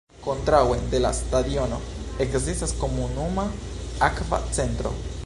Kontraŭe de la stadiono, ekzistas komunuma akva centro.